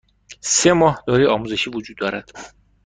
سه ماه دوره آزمایشی وجود دارد.